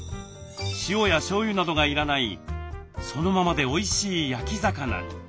塩やしょうゆなどが要らないそのままでおいしい焼き魚に。